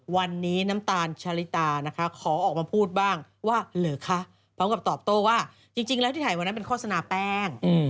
วันนี้น้ำตาลชะลิตานะคะขอออกมาพูดบ้างว่าเหรอคะพร้อมกับตอบโต้ว่าจริงแล้วที่ถ่ายวันนั้นเป็นโฆษณาแป้ง